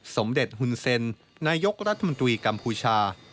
สมเด็จฮุนเซ็นนายกรัฐมนตรีกัมพูชา